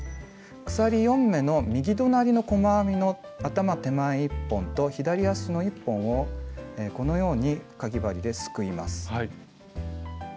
鎖４目の右隣の細編みの頭手前１本と左足の１本をこのようにかぎ針ですくいます。